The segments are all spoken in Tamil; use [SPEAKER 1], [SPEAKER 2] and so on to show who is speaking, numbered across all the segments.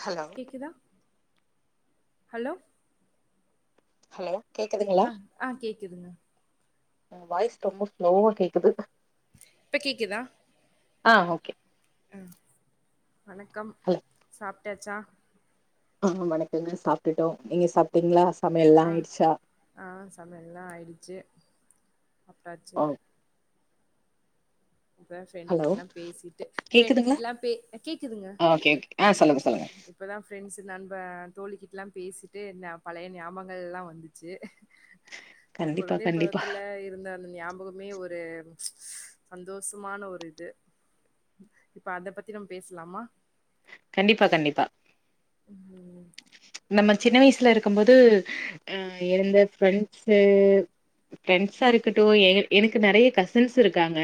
[SPEAKER 1] ஹலோ
[SPEAKER 2] கேக்குதா? ஹலோ
[SPEAKER 1] ஹலோ கேக்குதுங்களா
[SPEAKER 2] அ ஆ கேக் கிதுங்க
[SPEAKER 1] உ வாய்ஸ் ரொம்பா ஸ்லோவா கேக் குது
[SPEAKER 2] இப்ப கேக்கிதா?
[SPEAKER 1] ஆ ஓகே
[SPEAKER 2] ம் வணக்கம்
[SPEAKER 1] ஹலோ
[SPEAKER 2] சாப் டாச்சா?
[SPEAKER 1] ஆ வணக்கங்க சாப்டுட்டோ நீங்க சாப்டீங்ளா?
[SPEAKER 2] ஆ ஆ சமையல்லா ஆயிடுச்சு ப்டாச்சு
[SPEAKER 1] ஓ
[SPEAKER 2] இப்பதா ஃப்ரெண்ட்டு
[SPEAKER 1] ஹலோ
[SPEAKER 2] கிட்லா பேசிட்டு ஃப்ரெண்டு
[SPEAKER 1] கேக்குதுங்களா
[SPEAKER 2] கிட்லா பே அ கேக்குதுங்க
[SPEAKER 1] ஆ ஓகே ஓகே ஆ சொல்லுங்க
[SPEAKER 2] இப்ப
[SPEAKER 1] சொல்லுங்க
[SPEAKER 2] இப்பதா ஃப்ரெண்ட்ஸ் நண்ப தோழிக்கிட்லா பேசிட்டு ந பழைய ஞாபங்கள்லா வந்துச்சு நம்ம
[SPEAKER 1] கண்டிப்பா
[SPEAKER 2] குழந்தை
[SPEAKER 1] கண்டிப்பா
[SPEAKER 2] பருவத்துல இருந்த அந்த ஞா பகமே ஒரு ச் ஸ் சந்தோஸமான ஒரு இது இப்ப அத பத்தி நம் பேசலாமா?
[SPEAKER 1] கண்டிப்பா கண்டிப்பா
[SPEAKER 2] ம்
[SPEAKER 1] நம்ம சின்ன வயசுல இருக்கு போத அ இருந்த பிரண்ட்ஸ பிரண்ட்ஸா இருக்கட்டும் எ எனக்கு நெறைய கசின்ஸ் இருக்காங்க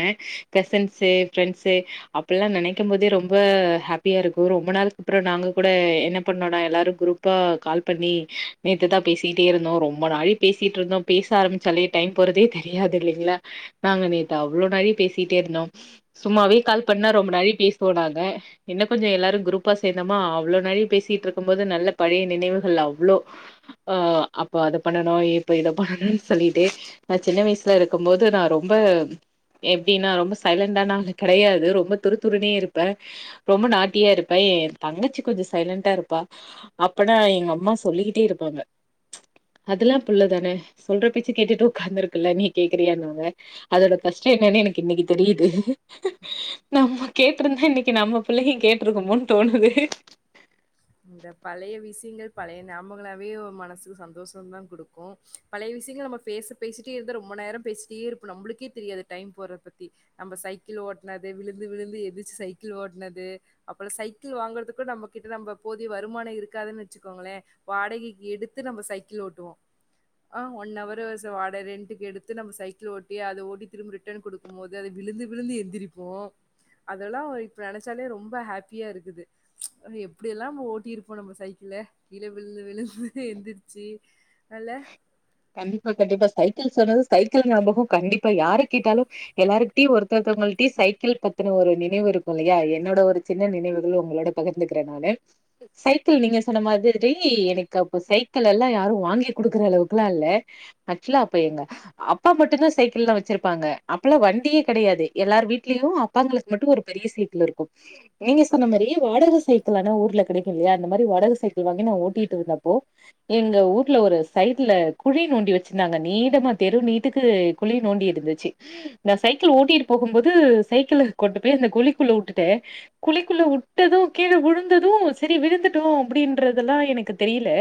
[SPEAKER 1] கசிஸின்ஸ் பிரண்ஸா அப்படல்லா நினைக்கும் போதே ரொம்ப ஹாப்பியா இருக்கு ரொம்ப நாளைக்கு அப்புறம் நாங்க கூட என்ன பண்ணோடா எல்லார குரூப்பா கால்பண்ணி நேதா பேசிட்டே இருந்தோ ரொம்ப நா பேசட்டு இருந்தோ பேச ஆரம்பிச்சே டை போறதே தெரியாது இல்லைங்களா நாங்க நேத்து அவ்ளோ நேர பேசிட்ட இருந்தோ சும்மாவே கால் பண்ண ரொம்ப நேரம் பேசுவோ வாங்க என் கொஞ்ச எல்லார குரூபா சேந்தோமா அவ்வோளோ நாழி பேசிட்டு இருகம் போது நல்ல பழைய நினைவுகள் அவ்வுளோ அ அப்போ அத பண்ணனு இப்ப இத பண்ணணும்னு சொல்லிட்டு நா சின்ன வயசுல இருக்கு போது நா ரொம்ப எப்படின்னா ரொம்ப சைலண்டா நாங்க கிடையாது ரொம்ப துருத்துருனோ இருப்பே ரொம்ப நாட்டியா இருப்பே என் தங்கச்சி கொஞ்சம் சைலண்டா இருப்பா அப்பனா எங்க அம்மா சொல்லிக்கிட்டே இருப்பாங்க அதெல்லா புள்ளதானே சொல்ற பேச்சு கேட்டுட்டு உட்காந்துருக்குல்ல நீ கேக்குறியாங்க அதோட கஷ்டம் என்னன்னு எனக்கு இன்னைக்கு தெரியுது நம்ம கேட்டிருந்தா இன்னைக்கு நம்ம பிள்ளையும் கேட்டுருக்கோமோன்னு தோணுது
[SPEAKER 2] இந்த பழைய விஷயங்கள் பழைய நாமங்களாவே மனசுக்கு சந்தோஷ தான் குடுக்கும் பழைய விஷயங்கள் நம்ம பேச பேசிட்டே இருந்த ரொம்ப நேரம் பேசிட்டே இருப்போ நம்மளுக்கே தெரியாது டைம் போடுறத பத்தி நம்ம சைக்கிள் ஓட்டனது விழுந்து விழுந்து எதிரச்சு சைக்கிள் ஓட்டனது அப்புறோ சைக்கிள் வாங்கறது கூட நம்ம கிட்ட நம்ம போதிய வருமானம் இருக்காதுன்னு வச்சுக்கோங்களே வாடகைக்கு எடுத்து நம்ம சைக்கிள் ஓட்டுவோ ஆ ஒன் ஆவரு ரென்க்கு எடுத்து நம்ம சைக்கிள் ஓட்டி அத ஓட்ட திரும்ப ரிட்டன் கொடுக்கும் போது அத விழுந்து விழுந்து எந்திரிப்போ அதெல்லா இப்ப நினைச்சாலே ரொம்ப ஹாப்பியா இருக்குது அப்படிய எல்லா ஓட்டியிருப்போ நம்ம சைக்கிள் கீழே விழுந்து விழுந்து எந்திருச்சு நல்ல
[SPEAKER 1] கண்டிப்பா கண்டிப்பா சைக்கிள் சொன்னது சைக்கிள் நம்பகம் கண்டிப்பா யாரரு கேட்டாலு எல்லாரு்கிட்டயும் ஒருத்தத்தவங்களிட்டயும் சைக்கிள் பத்துன ஒரு நினைவு இருக்கு இல்லையா என்னோட ஒரு சின்ன நினைவுகள் உங்களோட பகிர்ந்துக்கிறேன் நானு சைக்கிள் நீங்க சொன்ன மாரி எனக்கு அப்ப சைக்கிள் எல்லா யாரும் வாங்கி குடுக்கற அளவுக்கு [unintelligible] இல்ல அக்சுவலி எங்க அப்பா மட்டுதா சைக்கிள்ல வச்சிருப்பாங்க அப்பல்லா வண்டியே கிடையாது எல்லார வீடலயும் அப்பாங்களுக்கு மட்டும் ஒரு பெரிய சைக்கிள் இருக்கு நீங்க சொன்ன மாரி வாடகை சைக்கிள் ஆனா ஊர்ல கிடைக்கும் இல்லயா அந்த மாதி வாடகை சைக்கிள் வாங்கி நா ஓட்டிட்டு இருந்தப்போ எங்க ஊர்ல ஒரு சை [unintelligible] குழி நோண்டி வச்சிருந்தாங்க நீடமா தெரு நீட்டுக்கு குழி நோண்டி இருந்துச்சு நா சைக்கிள் ஓட்டிட்டு போகும் போது சைக்கிள் கொண்டு போய் அந்த குழிக்குள்ள விட்டுட்டே குழிக்குள்ள விட்டது கீழே விழுந்ததும் சேரி விழுந்துட்டோ அப்படின்றதெல்லா எனக்கு தெரியல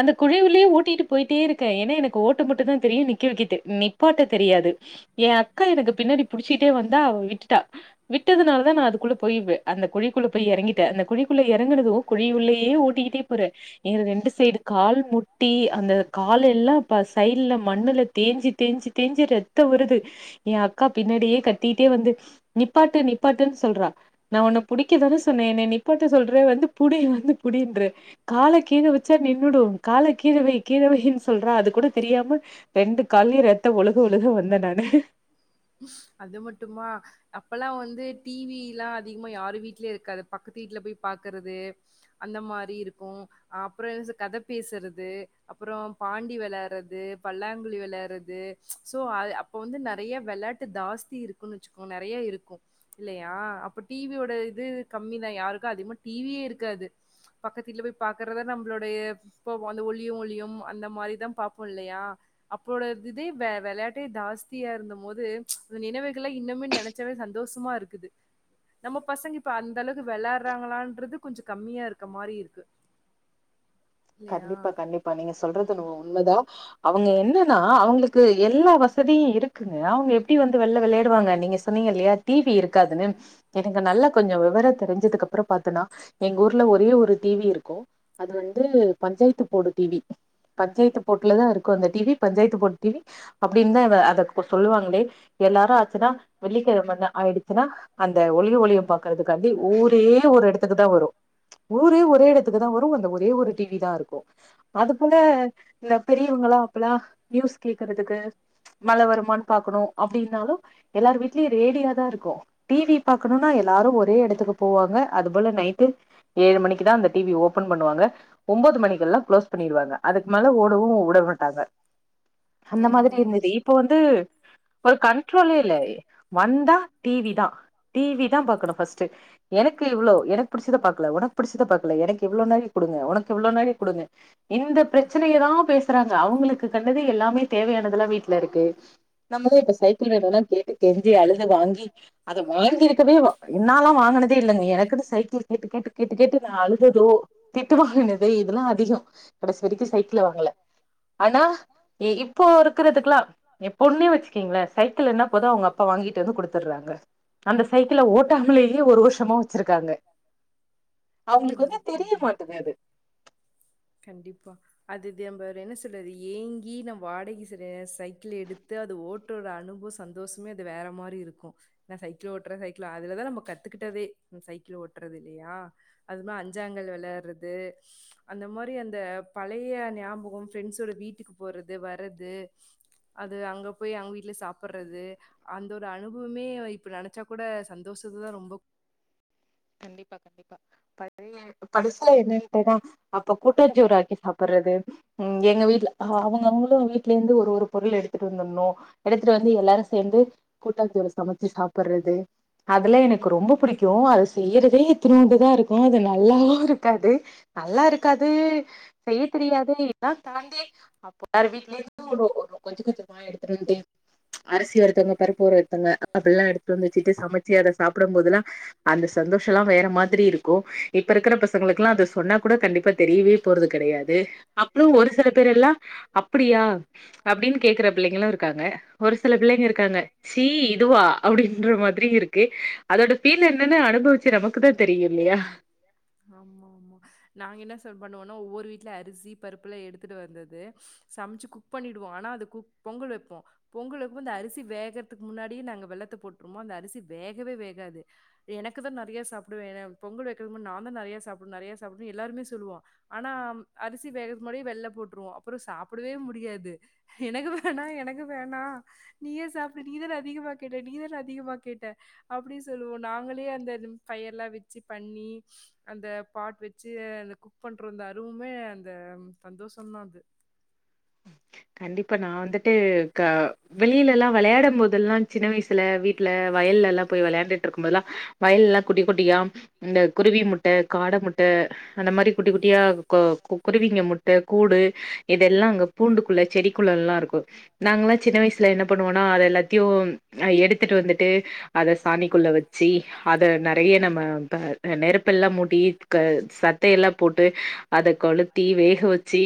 [SPEAKER 1] அந்த குழிலயே ஓட்டிட்டு போயிட்டே இருக்கே ஏன்னா எனக்கு ஓட்ட மட்டும் தா தெரியும் நிக்க வைக்க நிப்பாட்ட தெரியாது என் அக்கா எனக்கு பின்னாடி புடிச்சிட்டே வந்தா அவ விட்டுட்டா விட்டதுனால தா நா அதுக்குள்ள போய்வே அந்த குழிக்குள்ள போய் இறங்கிட்டேன் அந்த குழிக்குள்ளே இறங்குனது குழி குள்ளேயே ஓட்டிக்கிட்டே போறே என ரெண்டு சைடு கால் முட்டி அந்த கால எல்லா அப்ப சைடல மண்ணுல தேஞ்சி தேஞ்சி தேஞ்சு ரத்த வருது என் அக்கா பின்னாடியே கட்டிட்டே வந்து நிப்பாட்டு நிப்பாட்டுன்னு சொல்றா நா உன்னை பிடிக்கதானே சொன்னே என்ன நிப்பாட்டை சொல்ற வந்து புடி வந்து புடின்ற கால கீழ வச்சா நின்னுடும் கால கீழ வை கீழவைன்னு சொல்ற அது கூட தெரியாம ரெண்டு கால்லயு ரத்த ஒழுக ஒழுக வந்தே நானு
[SPEAKER 2] அது மட்டுமா அப்பல்லா வந்து டிவி எல்லா அதிகமா யாரு வீட்லயு இருக்காது பக்கத்து வீட்டுல போய் பாக்கறது அந்த மாரி இருக்கு அப்புறோ கதை பேசுறது அப்புறம் பாண்டி விளையாடுறது பல்லாங்குழி விளையாடுறது து சோ அது அப்ப வந்து நெறைய விளையாட்டு ஜாஸ்தி இருக்குன்னு வச்சுக்கோங்க நெறைய இருக்கு இல்லையா அப்ப டிவியோட இது கம்மிதா யாருக்கு அதிகமா டிவியே இருக்காது பக்கத்துல போய் பாக்குறத நம்மளோடைய இப்ப அந்த ஒளியும் ஒளியும் அந்த மாதிரிதா பாப்போம் இல்லையா அப்போட இதே வ விளையாட்டே ஜாஸ்தியா இருந்த போது நினைவுகள்ளே இன்னுமே நினைச்சவே சந்தோஷமா இருக்குது நம்ம பசங்க இப்ப அந்த அளவுக்கு விளையாடுறாங்களான்றது கொஞ்சோ கம்மியா இருக்க மாரி இருக்கு இல்லையா
[SPEAKER 1] கண்டிப்பா கண்டிப்பா நீங்க சொல்றது என்னமோ உண்மைதா அவங்க என்னன்னா அவங்களுக்கு எல்லா வசதியும் இருக்குங்க அவங்க எப்படி வந்து வெள விளையாடுவாங்க நீங்க சொன்னீங்கல்லையா டிவி இருக்காதுன்னு எனக்கு நல்ல கொஞ்ச விவரம் தெரிஞ்சதுக்கு அப்புறம் பாத்தன்னா எங்க ஊர்ல ஒரே ஒரு டிவி இருக்கு அது வந்து பஞ்சாயத்து போடு டிவி பஞ்சாயத்து போட்டுல தா இருக்கு அந்த டிவி பஞ்சாயத்து போட்டு டிவி அப்படின்னு தா அதை சொல்லுவாங்களே எல்லாரு ஆச்சுன்னா வெள்ளிக்கிழமண்ண ஆயிடுச்சுன்னா அந்த ஒளியு ஒலிய பாக்கறதுக்காண்டி ஊரே ஒரு இடத்துக்கு தா வரும் ஊரே ஒரே இடத்துக்கு தா வரும் அந்த ஒரே ஒரு டிவி தா இருக்கு அது போல இந்த பெரியவங்களா அப்பல்லா நியூஸ் கேக்குறதுக்கு மல வருமானு பாக்கணு அப்படின்னாலும எல்லாரு வீட்லயும் ரேடியா தா இருக்கு டிவி பாக்கணும்னா எல்லாரும் ஒரே இடத்துக்கு போவாங்க அது போல நைட்டு ஏழு மணிக்குதா அந்த டிவி ஓபன் பண்ணுவாங்க ஒன்பது மணிக்கல்லா க்ளோஸ் பண்ணிடுவாங்க அதுக்கு மேல ஓடவு விட மாட்டாங்க அந்த மாதிரி
[SPEAKER 2] ஆமா ஆமா
[SPEAKER 1] இருந்தது இப்போ வந்து ஒரு கண்ட்ரோலே இல்ல வந்தா டிவி தா டிவி தா பார்க்கணு ஃபர்ஸ்ட் எனக்கு எவ்வளோ எனக்கு பிடிச்சத பக்கல உனக்கு பிடிச்சத பக்கல எனக்கு எவ்வளோ நேர கொடுங்க உனக் எவ்ளோ [unintelligible] குடுங்க இந்த பிரச்சனைய தா பேசுறாங்க அவங்களுக்கு கண்டதே எல்லாமே தேவையானதெல்லா வீட்டுல இருக்கு நம்மதா இப்ப சைக்கிள் வேணும்னா கேட்டு கெஞ்சி அழுத வாங்கி அத வாங்கிருக்கவே என்னாலா வாங்கினதே இல்லைங்க எனக்குன்ன சைக்கிள் கேட்டு கேட்டு கேட்டு கேட்டு நா அழுததோ திட்டு வாங்கினது இதெல்லா அதிகோ கடைசிவரைக்கு சைக்கிள வாங்கல ஆனா இ இப்போ இருக்கிறதுக்கெல்லா எ பொண்னே வச்சுக்கொங்களே சைக்கிள் என்ன போதா அவங்க அப்பா வாங்கிட்டு வந்து கொடுத்துடுறாங்க அந்த சைக்கிளை ஓட்டாமலேயே ஒரு வருஷமா வச்சிருக்காங்க அவங்களுக்கு வந்து
[SPEAKER 2] கண்டிப்பா
[SPEAKER 1] தெரிய
[SPEAKER 2] கண்டிப்பா
[SPEAKER 1] மாட்டேது அது
[SPEAKER 2] கண்டிப்பா அது நம என்ன சொல்றது ஏங்கி நம்ம வாடகை ச சைக்கிள் எடுத்து அது ஓட்டுறோட அனுபவ சந்தோசமே அது வேற மாரி இருக்கு நா சைக்கிள் ஓட்டுறே சைக்கிள அதுலதா நம்ம கத்துக்கிட்டதே சைக்கிள் ஓட்டுறது இல்லையா அது மாரி அஞ்சாங்கல் விளையாடுறது அந்த மாரி அந்த பழைய ஞாபகம் ஃப்ரெண்ட்ஸோட வீட்டுக்கு போறது வர்ரறது அது அங்க போய் அங்க வீட்டுல சாப்படுறது அந்தோட அனுபவமே இப்ப நினைச்சா கூட சந்தோஷத்துதா ரொம்ப
[SPEAKER 1] கண்டிப்பா கண்டிப்பா ப படிசுல என்னட்டேன்னா அப்ப கூட்டாச்சோறு ஆக்கி சாப்பிடுறது ம் எங்க வீட்டுல அவங்க அவங்களு வீட்ல இருந்து ஒரு ஒரு பொருள் எடுத்துட்டு வந்துடணும் எடுத்துட்டு வந்து எல்லாரும் சேர்ந்து கூட்டாச்சோரை சமைச்சு சாப்பிடுறது அதெல்லா எனக்கு ரொம்ப பிடிக்கு அது செய்யறதே த்தரோண்டுதா இருக்கு அது நல்லாவு இருக்காது நல்லா இருக்காது செய்ய தெரியாது இதல்லா தாண்டி அப்போத வீடல இருந்து ஒரு கொஞ்சோ கொஞ்சமா எடுத்துட்டே அரிசி ஒருத்தவங்க பருப்புறத்தங்க அப்பட எல்லா எடுத்து வந்து வச்சுட்டு சமைச்சு அதை சாப்பிடும் போதுல்லா அந்த சந்தோஷல்லா வேற மாதிரி இருக்கு இப்ப இருக்கிற பசங்களுக்குல்லா அத சொன்னா கூட கண்டிப்பா தெரியவே போறது கிடையாது அப்புறோ ஒரு சில பேர் எல்லா அப்படியா அப்படின்னு கேக்குற பிள்ளைங்களு இருக்காங்க ஒரு சில பிள்ளைங்க இருக்காங்க சி இதுவா அப்படின்ற மாதிரி இருக்கு அதோட ஃபீல் என்னன்னு அனு
[SPEAKER 2] ஆமா ஆமா நாங்க என்ன சார் பண்ணுவோ ஒன்னு ஒவ்வொரு வீட்ல அரிசி பருப்புலாம் எடுத்துட்டு வந்தது சமைச்சி குக் பண்ணிடுவோ ஆனா அது குக் பொங்கல் வப்போம் பொங்கல் அப்போ அந்த அரிசி வே கறதுக்கு முன்னாடி நாங்க வெள்ளத்த போட்ருவோம அந்த அரிசி வேகவே வேகாது எனக்கு தா நறையா சாப்டுவே ஏனா பொங்கல் வக்குறது முன் நா தா நறயா சாப் நறயா சாப்டுவ எல்லாருமே சொல்லுவோம் ஆனா அரிசி வேகறதுக்கு முன்னாடியே வெள்ள போட்டுருவோம் அப்புறம் சாப்படவே முடியாது எனக்கு வேணா எனக்கு வேணாம் நீயே சாப் அப்புற நீதான அதிகமா கேட்ட நீதான அதிகமா கேட்ட அப்டி சொல்லுவோம் நாங்களே அந்த பயர்லாம் வச்சி பண்ணி அந்த பாட் வச்சி அந்த குக் பண்றோம் இந்த அருவுமே அந்த சந்தோஷந்தா அது
[SPEAKER 1] கண்டிப்பா நா வந்துட்டு க வெளியில எல்லாம் வளையாடம் போதெல்லாம் சின்ன வயசுல வீட்ல வயல்லலா போயி வெளயாண்டுட்டு இருக்கமோதெல்லாம் வயல்லல்லா குட்டி குட்டியா இந்த குருவி முட்ட காட முட்ட அந்த மாரி குட்டி குட்டியா கொ கு குருவிங்க முட்ட கூடு இதெல்லாம் அங்க பூண்டுக்குள்ள செடிக்குள்ளலா இருக்கும் நாங்கல்லாஸசின்ன வயசுல என்ன பண்ணுவன்னா அத எல்லாத்தையும் எடுத்துட்டு வந்துட்டு அத சாணிக்குள்ள வச்சி அத நறையா நம்ம ப நெருப்பெல்லாம் மூட்டி க சத்தையெல்லா போட்டு அத கொளுத்தி வேக வச்சி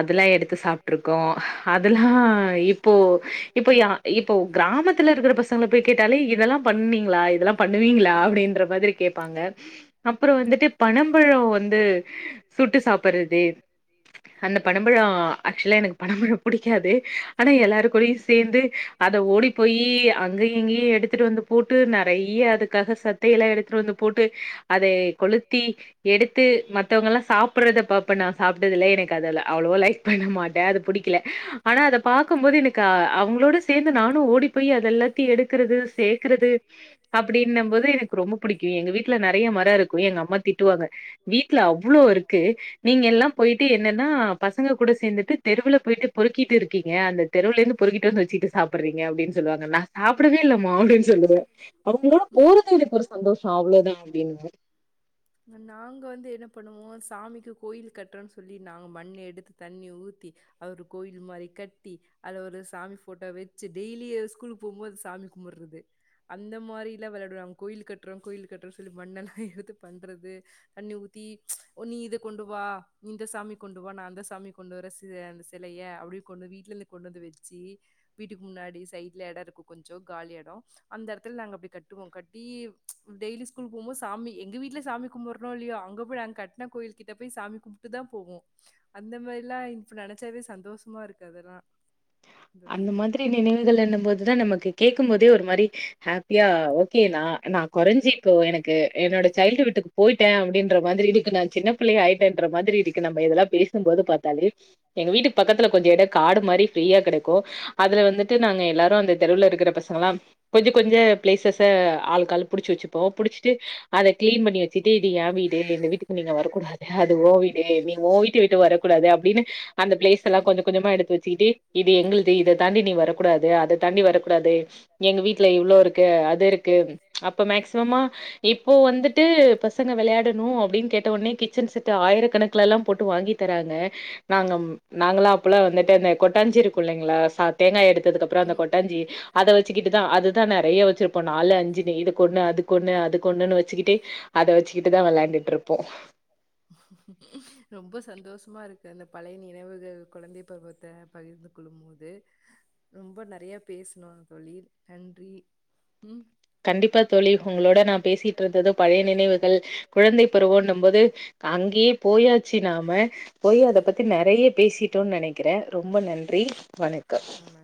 [SPEAKER 1] அத அதல்லா எடுத்து சாப்ட்டுருக் கோ அதல்லா இப்போ இப்போ இப்போ கிராமத்துல இருக்கிற பசங்கள போய் கேட்டாலே இதெல்லாம் பண்ணீங்களா இதெல்லாம் பண்ணுவீங்களா அப்டின்ற மாதிரி கேப்பாங்க அப்புறம் வந்துட்டு பனம்பழம் வந்து சுட்டு சாப்பறது அந்த பனம்பழம் ஆக்சுவள எனக் பணம் பழம் பிடிக்காது ஆனா எல்லாரு கூடயும் சேந்து அத ஓடி போயி அங்கியு இங்கியும் எடுத்துட்டு வந்து போட்டு நறையா அதுக்காக சத்தையெல்லாம் எடுத்துட்டு வந்து போட்டு அதை கொளுத்தி எடுத்து மத்தவங்கல்லாம் சாப்படறத பாப்ப நா சாப்பட்டதில்ல எனக்கு அதுல அவ்ளோவ லைக் பண்ணமாட்டேன் அது புடிக்கல ஆனா அத பாக்கும்போது எனக்கு அவங்களோட சேந்து நானும் ஓடி போயி அத எல்லாத்தையும் எடுக்கறது சேக்கறது அப்டின்னும் போது எனக்கு ரொம்ப புடிக்கும் எங்க வீட்ல நறையா மரம் இருக்கும் எங்க அம்மா திட்டுவாங்க வீட்ல அவ்ளோ இருக்கு நீங்க எல்லாம் போயிட்டு என்னன்னா பச பசங்க கூட சேந்துட்டு தெருவுல போயிட்டு பொறுக்கிட்டு இருக்கீங்க அந்த தெருவுல இருந்து பொருக்கிட்டு வந்து வச்சிட்டு சாப்பறீங்க அப்டின் சொல்லுவாங்க நா சாப்படவே இல்லமா அப்டின் சொல்லுவ அவுங்களோ போறது எனக்கு ஒரு சந்தோஷம் அவ்ளோதா அப்டின்னுவ
[SPEAKER 2] நாங்க வந்து என்ன பண்ணுவோம் சாமிக்கு கோயில் கட்டுறன்னு சொல்லி நாங்க மண்ண எடுத்து தண்ண ஊத்தி அது ஒரு கோயில் மாரி கட்டி அதுல ஒரு சாமி போட்டோ வச்சி டெய்லி ஸ்கூலுக்கு போமோது சாமி கும்படறது அந்த மாரிலா வெளயாடுவாங்க கோயில் கட்றோம் கோயில் கட்றோ சொல்லி மண்ணெல்லாம் எடுத்து பண்றது தண்ணி ஊத்தி நீ இத கொண்டு வா நீ இந்த சாமி கொண்டு வா நான் அந்த சாமி கொண்டு வர சி அந்த செலைய அப்டி கொண்டு வீட்லல கொண்டு வந்து வச்சி வீட்டுக்கு முன்னாடி சைட்ல எடம் இருக்கும் கொஞ்சம் காலி எடம் அந்த எடத்துல நாங்க அப்டே கட்டுவோம் கட்டி டெய்லியு ஸ்கூல் போமோது சாமி எங்க வீட்ல சாமி கும்படறோ இல்லையோ அங்க போயி நாங்க கட்ன கோயில் கிட்ட போய் சாமி கும்ட்டு தா போவோம் அந்த மாரி இல்ல இப்ப நெனைச்சாவே சந்தோஷமா இருக்கு அதெல்லாம் அதோட
[SPEAKER 1] அந்த
[SPEAKER 2] இது.
[SPEAKER 1] மாதிரி நினைவுகள் இன்னும் போதுதான் நமக்கு கேக்கும்போது டே ஒரு மாரி ஹேப்பியா ஓகே நா நா கொறஞ்சிக்கோ எனக்கு என்னோட சைல்டு வீட்டுக்கு போயிட்டே அப்டின்ற மாதிரி இப்ப நா சின்ன பிள்ளையா ஆய்ட்டேன்ற மாதிரி இருக்கு நம்ம இதல்லாம் பேசும்போது பாத்தாலே எங்க வீட்டுக்கு பக்கத்துல கொஞ்சம் எட காடு மாரி ஃப்ரீயா கடக் போ அதுல வந்துட்டு நாங்க எல்லாரும் அந்த தெருவுல இருக்கிற பசங்கல்லா கொஞ்ச கொஞ்ச பிளேசஸ்ஸ ஆ ஆளுக் ஆளு புடிச்சி வச்சிப்போம் புடிச்சிட்டு அத கிளீன் பண்ணி வச்சிட்டு இது ஏன் வீடு இந்த வீட்டுக்கு நீங்க வரக்கூடாது அது ஓ வீடு நீங்க ஓ வீட்டு வரக்கூடாது அப்டின்னு அந்த பிளேஸ்ஸலாம் கொஞ்ச கொஞ்சமா எடுத்து வச்சிகிட்டு இது எங்கள்து இத தாண்டி நீ வரக்கூடாது அத தாண்டி வரக்கூடாது எங்க வீட்ல இவ்ளோ இருக்கு அது இருக்கு அப்ப மேக்சிமமா இப்போ வந்துட்டு பசங்க வெளையாடணும் அப்டின் கேட்ட ஒன்னே கிச்சன் செட்டு ஆயிர கணக்கலல்லாம் போட்டு வாங்கி தராங்க நாங்கம் நாங்காலா அப்பல்லா வந்துட்டு அந்த கொட்டாங் புள்ளைங்களா சா தேங்கா எடுத்ததுக்கு அப்புறம் அந்த கொட்டஞ்சி அத வச்சிக்கிட்டுதா அதுதா நறையா வச்சிருப்போம் நாலு அஞ்சினு இதுக்கொண்ணு அதுக்கொண்ணு அதுக்கொண்ணுன்னு வச்சிக்கிட்டே அத வச்சிக்கிட்டுதா வெளாண்டுட்டு இருப்போம்
[SPEAKER 2] ரொம்ப சந்தோஷமா இருக்கு அந்த பழைய நினவுகள் குழந்தை பருவத் த பகிர்ந்து கொள்ளும் போது ரொம்ப நறையா பேசணும் தோழி நன்றி ம்
[SPEAKER 1] கண்டிப்பா தோழி உங்களோட நான் பேசிட்டு இருந்தத பழைய நினைவுகள் குழந்தை பருவோம் இன்னும்போது அங்கே போயாச்சி நா மே போயி அத பத்தி நெ றைய பேசிட்டோன்னு நெனைக்கிறே ரொம்ப நன்றி வணக்கம்
[SPEAKER 2] ஆமா